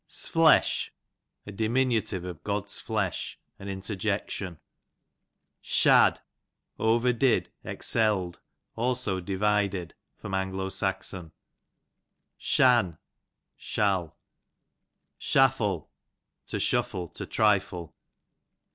'Sflesh, a diminutive of God's flesh, an interjection. Shad, over did, excelVd ; also divided. A. S. Shan, shall. Shaffle, to shuffle, to trifle.